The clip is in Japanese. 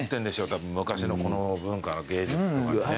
たぶん昔のこの文化・芸術とかね。